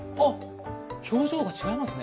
表情が違いますね。